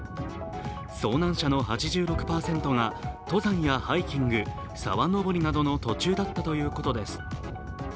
遭難者の８６％が登山やハイキング沢登りなどの途中だったということです。